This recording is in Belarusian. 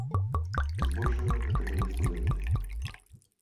Збольшага гэта былі студэнты.